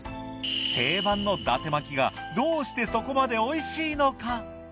定番の伊達巻がどうしてそこまでおいしいのか？